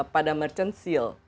pada merchant seal